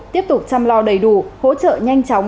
tiếp tục chăm lo đầy đủ hỗ trợ nhanh chóng